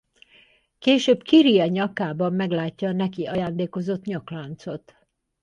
Később Kyrie nyakában meglátja a neki ajándékozott nyakláncot.